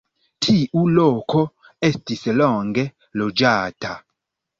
Tiu loko estis longe loĝata.